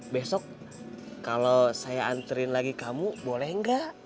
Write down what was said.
besok kalau saya anterin lagi kamu boleh nggak